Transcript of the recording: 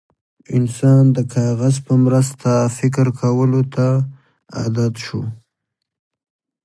انسان د کاغذ په مرسته فکر کولو ته عادت شو.